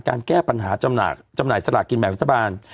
แก้ปัญหาจำหน่ายสลากินแบ่งรัฐบาล